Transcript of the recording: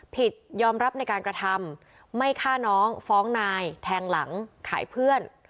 ยอมรับในการกระทำไม่ฆ่าน้องฟ้องนายแทงหลังขายเพื่อน